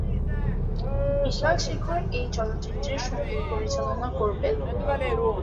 বিশাল-শেখর এই চলচ্চিত্রের সংগীত পরিচালনা করবেন।